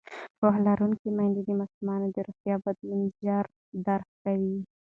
پوهه لرونکې میندې د ماشومانو د روغتیا بدلون ژر درک کوي.